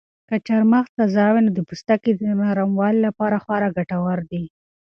که چهارمغز تازه وي نو د پوستکي د نرموالي لپاره خورا ګټور دي.